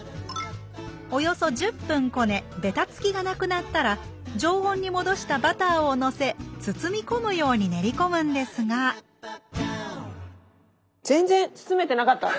およそ１０分こねべたつきがなくなったら常温に戻したバターをのせ包み込むように練り込むんですが全然包めてなかった。